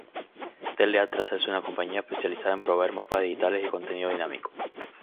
Tele Atlas es una compañía especializada en proveer mapas digitales y contenido dinámico.